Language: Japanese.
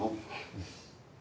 うん。